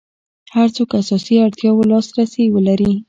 هر څوک اساسي اړتیاوو لاس رسي ولري.